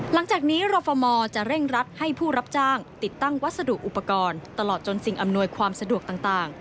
หลังจากนี้รฟมจะเร่งรัดให้ผู้รับจ้างติดตั้งวัสดุอุปกรณ์ตลอดจนสิ่งอำนวยความสะดวกต่าง